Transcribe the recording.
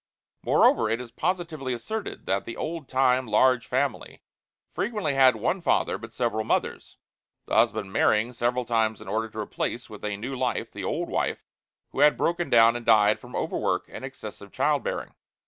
Moreover, it is positively asserted that the "old time large family" frequently had one father but several mothers the husband marrying several times in order to replace with a new life the old wife who had broken down and died from overwork and excessive childbearing.